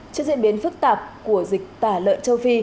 trước diễn biến phức tạp của dịch tả lợn châu phi